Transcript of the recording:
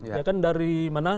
ya kan dari mana